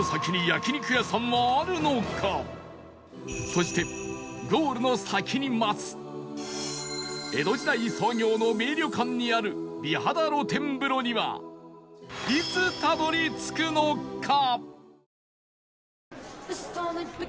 そしてゴールの先に待つ江戸時代創業の名旅館にある美肌露天風呂にはいつたどり着くのか？